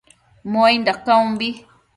Muainda caumbi